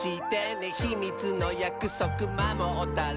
「ひみつのやくそくまもったら」